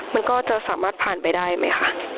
มันก็จะสามารถผ่านไปได้ไหมคะ